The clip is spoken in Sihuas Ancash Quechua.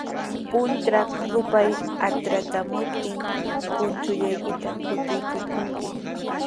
Puntraw rupay atratraamuptin, punchullaykita kutichikunki.